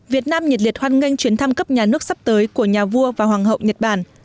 việt nam nhiệt liệt hoan nghênh chuyến thăm cấp nhà nước sắp tới của nhà vua và hoàng hậu nhật bản